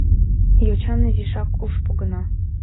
Йочан изишак уш погына.